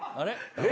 えっ？